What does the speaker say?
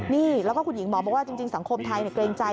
นี่แล้วก็คุณหญิงหมอบอกว่าจริงสังคมไทยเกรงใจ